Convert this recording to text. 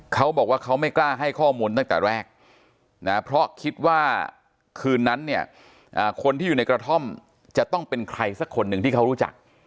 เขาบอกว่าเขาไม่กล้าให้ข้อมูลตั้งแต่แรกนะเพราะคิดว่าคืนนั้นเนี่ยคนที่อยู่ในกระท่อมจะต้องเป็นใครสักคนหนึ่งที่เขารู้จัก